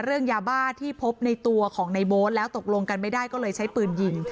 เรื่องยาบ้าที่พบในตัวของในโบ๊ทแล้วตกลงกันไม่ได้ก็เลยใช้ปืนยิง